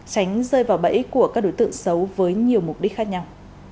tránh rơi vào bẫy của các đối tượng xấu với nhiều mục đích khác nhau